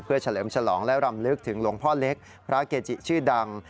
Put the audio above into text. เฉลิมฉลองและรำลึกถึงหลวงพ่อเล็กพระเกจิชื่อดัง